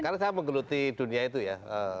karena saya menggeluti dunia itu ya